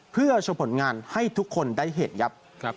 เพื่อชมผลงานให้ทุกคนได้เห็นครับ